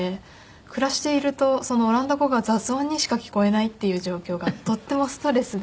暮らしているとそのオランダ語が雑音にしか聞こえないっていう状況がとてもストレスで。